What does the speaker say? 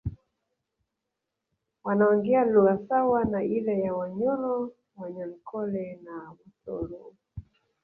Wanaongea lugha sawa na ile ya Wanyoro Wanyankole na Watoro